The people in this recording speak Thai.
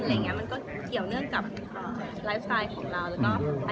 มันก็เกี่ยวเนื่องกับไลฟ์สไตล์ของเราแล้วก็